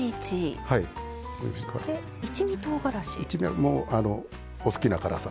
一味は、お好きな辛さ。